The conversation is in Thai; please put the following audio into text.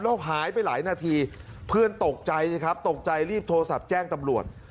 แล้วหายไปหลายนาทีเพื่อนตกใจสิครับตกใจรีบโทรศัพท์แจ้งตำรวจ